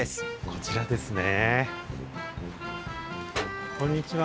こちらですね。